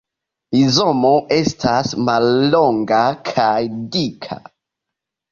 Rizomo estas mallonga kaj dika.